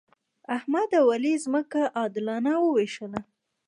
احمد او علي ځمکه عادلانه وویشله.